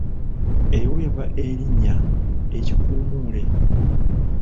Eweebwa erinnya ekikuumuule.